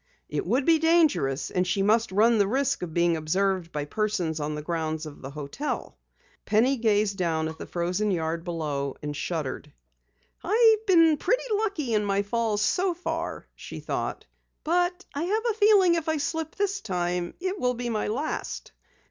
It would be dangerous and she must run the risk of being observed by persons on the grounds of the hotel. Penny gazed down at the frozen yard far below and shuddered. "I've been pretty lucky in my falls so far," she thought. "But I have a feeling if I slip this time it will be my last."